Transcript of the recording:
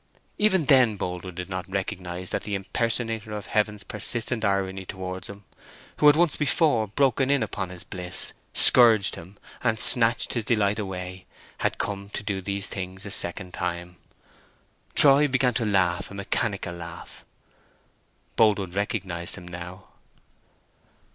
Even then Boldwood did not recognize that the impersonator of Heaven's persistent irony towards him, who had once before broken in upon his bliss, scourged him, and snatched his delight away, had come to do these things a second time. Troy began to laugh a mechanical laugh: Boldwood recognized him now.